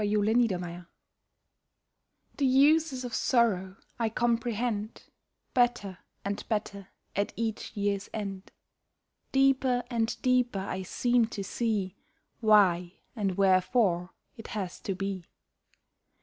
SORROW'S USES The uses of sorrow I comprehend Better and better at each year's end. Deeper and deeper I seem to see Why and wherefore it has to be.